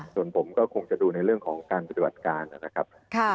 ส่วนผมก็คงจะดูในเรื่องของการปฏิบัติการนะครับ